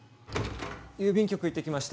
・郵便局行ってきました。